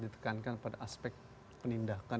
ditekankan pada aspek penindakan